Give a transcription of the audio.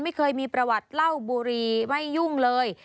ไม่เคยมีประวัติเล่าบุรีไม่ยุ่งเลย